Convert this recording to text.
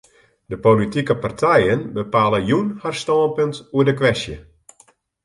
De politike partijen bepale jûn har stânpunt oer de kwestje.